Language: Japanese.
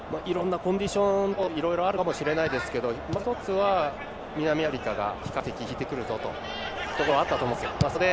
いろんなコンディション等いろいろあると思うんですがまず１つは南アフリカが比較的引いてくるぞというところはあったと思うんです。